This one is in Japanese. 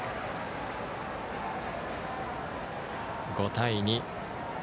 ５対２。